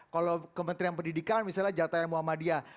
kalau kementerian pendidikan misalnya jatahnya muhammadiyah